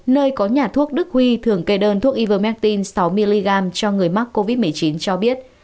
nơi có nhà thuốc đức huy thường kê đơn thuốc ivamartin sáu mg cho người mắc covid một mươi chín cho biết